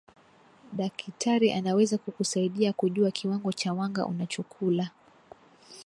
dakitari anaweza kukusaidia kujua kiwango cha wanga unachokula